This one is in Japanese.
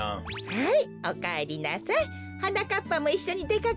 はい。